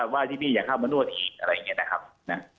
ว่าที่พี่อย่าเข้ามานวดอีกอะไรอย่างนี้นะครับ